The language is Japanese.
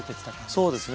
そうですね。